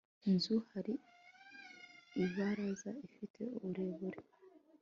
nzu hari ibaraza ifite uburebure